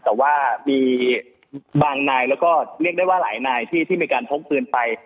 แต่ว่ามีบางนายแล้วก็เรียกได้ว่าหลายนายที่มีการพกปืนไป